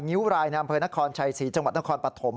ิ้วรายในอำเภอนครชัยศรีจังหวัดนครปฐม